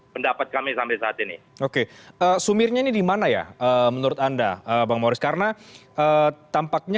pendapat kami sampai saat ini oke sumirnya ini dimana ya menurut anda bang mauris karena tampaknya